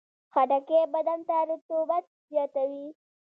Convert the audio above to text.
خټکی بدن ته رطوبت زیاتوي.